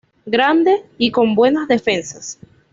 Grande y con buenas defensas.